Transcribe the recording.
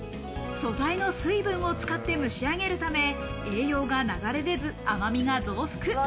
素材の水分を使って蒸し上げるため、栄養が流れ出ず、甘みが増幅。